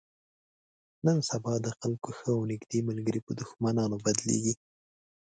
نن سبا د خلکو ښه او نیږدې ملګري په دښمنانو بدلېږي.